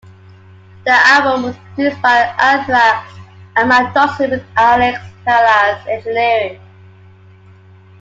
The album was produced by Anthrax and Mark Dodson, with Alex Perialas engineering.